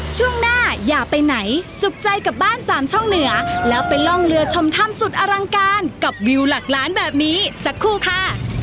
ช่วงหน้าอย่าไปไหนสุขใจกับบ้านสามช่องเหนือแล้วไปล่องเรือชมถ้ำสุดอลังการกับวิวหลักล้านแบบนี้สักครู่ค่ะ